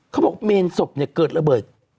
เขาบอกเมนศพเนี่ยเกิดระเบิด